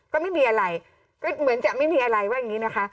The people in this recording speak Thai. ก็ไม่มีอะไรก็เหมือนจะไม่มีอะไรว่าอย่างนี้นะคะ